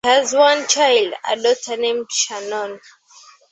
She has one child, a daughter named Shannon.